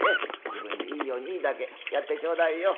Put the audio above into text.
自分でいいようにいいだけやってちょうだいよ」。